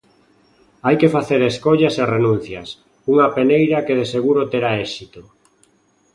Hai que facer escollas e renuncias, unha peneira que de seguro terá éxito.